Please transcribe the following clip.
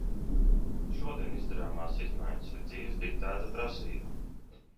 Šodien izdarāmās izmaiņas ir dzīves diktēta prasība.